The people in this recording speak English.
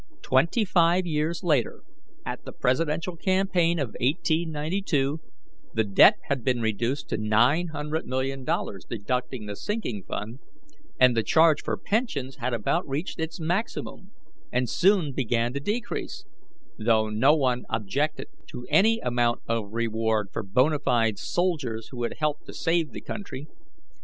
Twenty five years later, at the presidential campaign of 1892, the debt had been reduced to $900,000,000, deducting the sinking fund, and the charge for pensions had about reached its maximum and soon began to decrease, though no one objected to any amount of reward for bona fide soldiers who had helped to save the country.